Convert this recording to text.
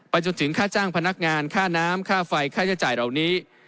จนถึงค่าจ้างพนักงานค่าน้ำค่าไฟค่าใช้จ่ายเหล่านี้